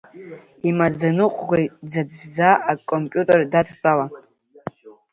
Имаӡаныҟәгаҩ дзаҵәӡа акомпиутер дадтәалан.